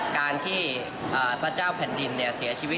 การที่พระเจ้าแผ่นดินเสียชีวิต